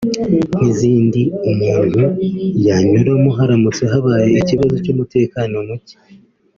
n’izindi umuntu yanyuramo haramutse habaye ikibazo cy’umutekano muke